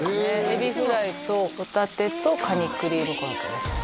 エビフライとホタテとカニクリームコロッケですね